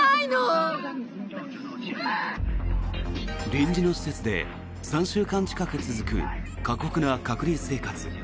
臨時の施設で３週間近く続く過酷な隔離生活。